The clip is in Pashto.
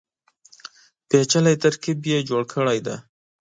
پېچلی ترکیب یې جوړ کړی دی.